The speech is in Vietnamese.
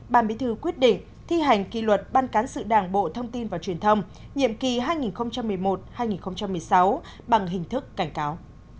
ban bí thư quyết định thi hành kỳ luật ban cán sự đảng bộ thông tin và truyền thông nhiệm kỳ hai nghìn một mươi một hai nghìn một mươi sáu bằng hình thức cảnh cáo